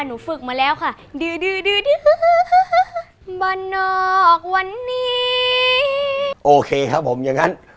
ฝึกมาแล้วค่ะดื้อบ้านนอกวันนี้โอเคครับผมอย่างนั้น